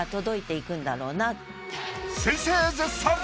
先生絶賛！